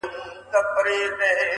اول بخښنه درڅه غواړمه زه.